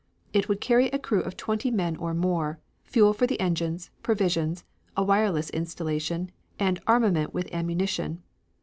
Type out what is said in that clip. It would carry a crew of twenty men or more, fuel for the engines, provisions, a wireless installation, and armament with ammunition.